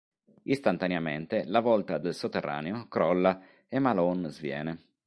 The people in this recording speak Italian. Istantaneamente la volta del sotterraneo crolla e Malone sviene.